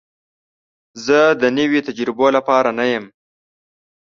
زه د نوي تجربو لپاره نه یم.